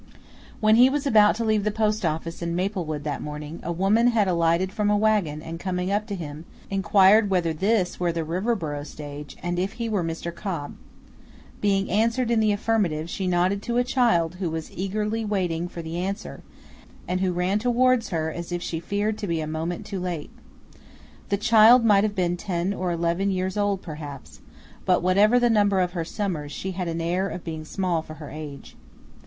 When he was about to leave the post office in Maplewood that morning, a woman had alighted from a wagon, and coming up to him, inquired whether this were the Riverboro stage, and if he were Mr. Cobb. Being answered in the affirmative, she nodded to a child who was eagerly waiting for the answer, and who ran towards her as if she feared to be a moment too late. The child might have been ten or eleven years old perhaps, but whatever the number of her summers, she had an air of being small for her age.